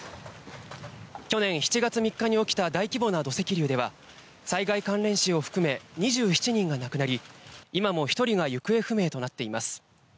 去年７月３日に起きた大規模な土石流では、災害関連死を含め２７人が亡くなり、今も１人が行方不明となっています。